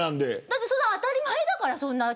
だって当たり前だからそんなの。